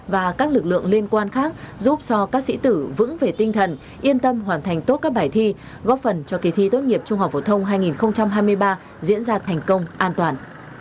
và các lực lượng liên quan khác giúp cho các sĩ tử vững về tinh thần yên tâm hoàn thành tốt các bài thi góp phần cho kỳ thi tốt nghiệp trung học phổ thông hai nghìn hai mươi ba diễn ra thành công an toàn